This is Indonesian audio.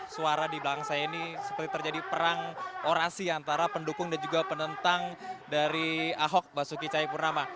suara di belakang saya ini seperti terjadi perang orasi antara pendukung dan juga penentang dari ahok basuki cahayapurnama